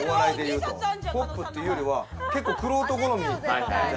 ポップというよりは、結構玄人好み。